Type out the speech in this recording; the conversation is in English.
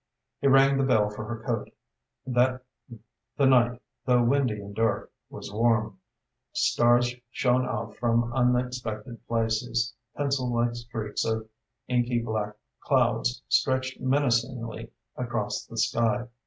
He rang the bell for her coat. The night, though windy and dark, was warm. Stars shone out from unexpected places, pencil like streaks of inky black clouds stretched menacingly across the sky.